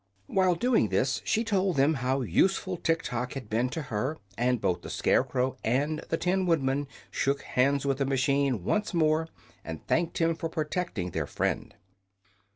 While doing this she told them how useful Tiktok had been to her, and both the Scarecrow and the Tin Woodman shook hands with the machine once more and thanked him for protecting their friend.